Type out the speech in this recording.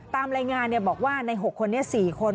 ตามรายงานบอกว่าใน๖คนนี้๔คน